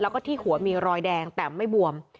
แล้วก็ที่หัวมีรอยแดงแต่ไม่บวม